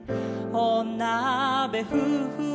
おなべふーふー